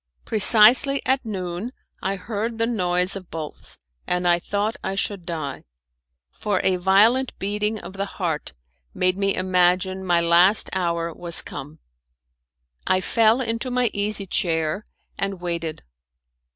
Precisely at noon I heard the noise of bolts, and I thought I should die; for a violent beating of the heart made me imagine my last hour was come. I fell into my easy chair, and waited.